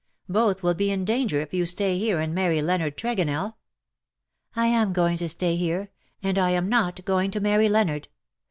Both will be in danger if you stay here and marry Leonard Tregonell." " I am going to stay here ; and I am not going to marry Leonard.